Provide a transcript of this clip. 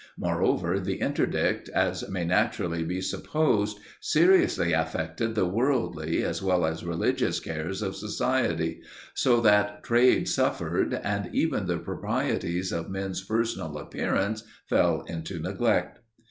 Moreover, the interdict, as may naturally be supposed, seriously affected the worldly, as well as religious cares of society: so that trade suffered, and even the proprieties of men's personal appearance fell into neglect.